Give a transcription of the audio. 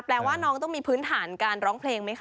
แปลว่าน้องต้องมีพื้นฐานการร้องเพลงไหมคะ